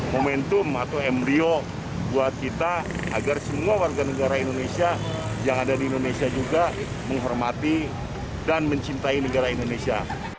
momentum atau embryo buat kita agar semua warga negara indonesia yang ada di indonesia juga menghormati dan mencintai negara indonesia